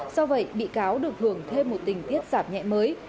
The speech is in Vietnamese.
do vậy bị cáo được hưởng thêm một tình tiết giảm nhẹ mới